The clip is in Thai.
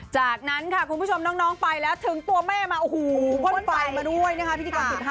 จากนั้นค่ะคุณผู้ชมน้องไปแล้วถึงตัวแม่มาอูหูพ่นฝังมาด้วยนะคะที่๑๕๕